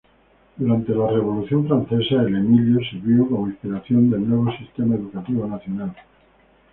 Durante la Revolución francesa el Emilio sirvió como inspiración del nuevo sistema educativo nacional.